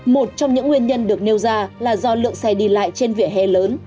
một trong những nguyên nhân được nêu ra là do lượng xe đi lại trên vỉa hè lớn